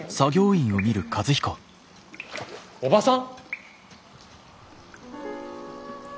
おばさん！？